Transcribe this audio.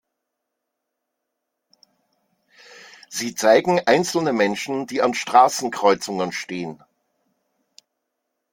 Sie zeigen einzelne Menschen, die an Straßenkreuzungen stehen.